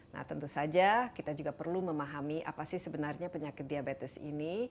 nah tentu saja kita juga perlu memahami apa sih sebenarnya penyakit diabetes ini